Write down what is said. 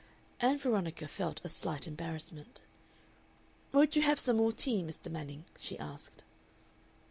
Ann Veronica felt a slight embarrassment. "Won't you have some more tea, Mr. Manning?" she asked.